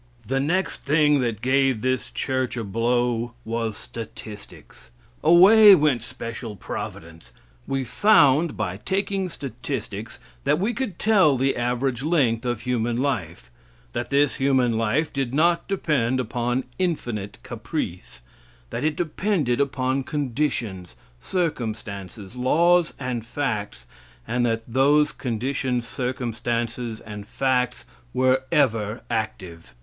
The next thing that gave this church a blow was statistics. Away went special providence. We found by taking statistics that we could tell the average length of human life; that this human life did not depend upon infinite caprice; that it depended upon conditions, circumstances, laws and facts, and that those conditions, circumstances, and facts were ever active.